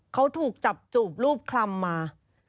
เขาถูกจับจูบรูปคลำมา